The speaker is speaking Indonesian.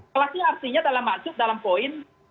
berarti artinya dalam maksud dalam poin